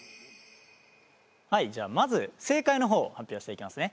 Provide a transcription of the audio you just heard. はいじゃあまず正解の方発表していきますね。